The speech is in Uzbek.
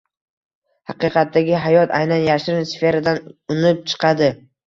“Haqiqatdagi hayot” aynan yashirin sferadan unib chiqadi